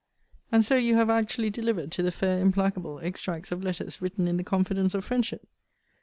And so you have actually delivered to the fair implacable extracts of letters written in the confidence of friendship!